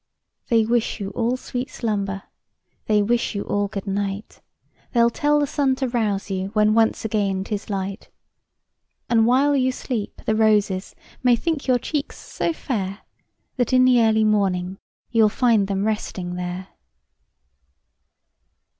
They wish you all sweet slumber, They wish you all good night ; They'll tell the sun to rouse you When once again 'tis light. And while you sleep, the roses May think your cheeks so fair That, in the early morning, You'll find them resting there.